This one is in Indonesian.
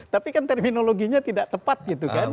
tapi kan terminologinya tidak tepat gitu kan